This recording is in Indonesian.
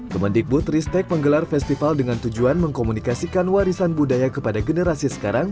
kemendikbud ristek menggelar festival dengan tujuan mengkomunikasikan warisan budaya kepada generasi sekarang